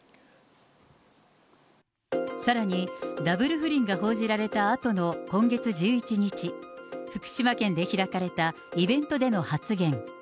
さらに、ダブル不倫が報じられたあとの今月１１日、福島県で開かれたイベントでの発言。